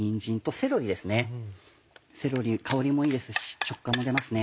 セロリ香りもいいですし食感も出ますね。